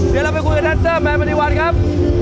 เดี๋ยวเราไปคุยกับแดนเซอร์แม่มันนิวัลครับ